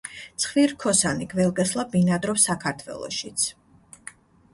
ცხვირრქოსანი გველგესლა ბინადრობს საქართველოშიც.